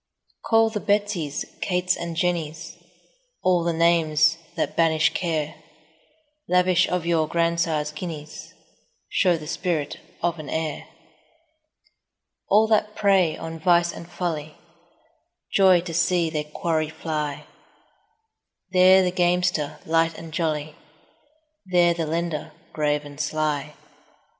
Call the Betsies, Kates, and Jennies, All the names that banish care; 10 Lavish of your grandsire's guineas, Show the spirit of an heir. All that prey on vice and folly Joy to see their quarry fly: There the gamester, light and jolly, 15 There the lender, grave and sly.